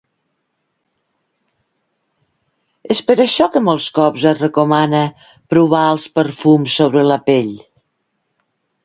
És per això que molts cops es recomana provar els perfums sobre la pell